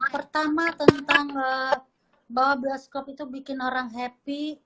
pertama tentang bahwa bioskop itu bikin orang happy